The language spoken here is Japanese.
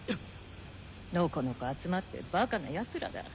のこのこ集まってバカなヤツらだ。